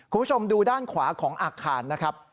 คุณผู้ชมดูด้านขวาของอาคารนะครับ